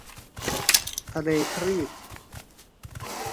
ทะเลครีต